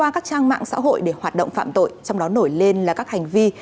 qua các trang mạng xã hội để hoạt động phạm tội trong đó nổi lên là các hành vi